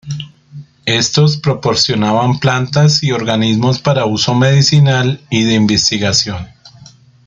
Estos proporcionaban plantas y organismos para uso medicinal y de investigación.